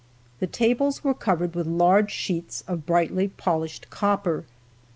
The tables were covered with large sheets of brightly polished copper.